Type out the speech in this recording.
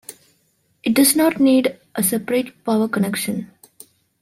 It does not need a separate power connection.